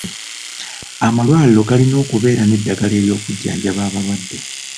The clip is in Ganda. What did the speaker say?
Amalwaliro galina okubeera n'eddagala ery'okujjanjaba abalwadde.